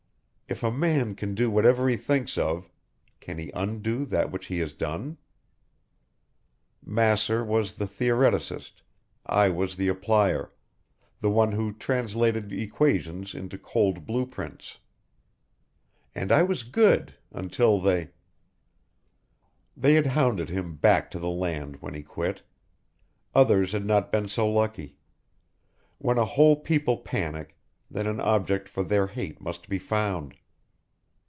If a man can do whatever he thinks of can he undo that which he has done?_ _Masser was the theoreticist I was the applier, the one who translated equations into cold blueprints. And I was good until they ..._ They had hounded him back to the land when he quit. Others had not been so lucky. When a whole people panic then an object for their hate must be found.